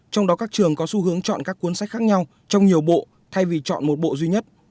trong đó các trường có xu hướng chọn các cuốn sách khác nhau trong nhiều bộ thay vì chọn một bộ duy nhất